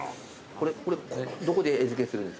これどこで絵付けするんですか？